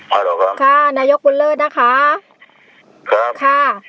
เอาเหรอครับค่ะนายกบุญเลิศนะคะครับค่ะ